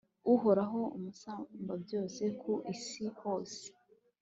uhoraho, umusumbabyose ku isi hose